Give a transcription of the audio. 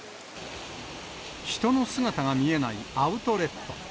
人の姿が見えないアウトレット。